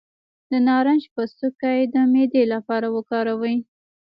د نارنج پوستکی د معدې لپاره وکاروئ